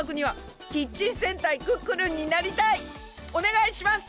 おねがいします！